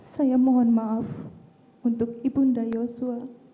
saya mohon maaf untuk ibu nda yosua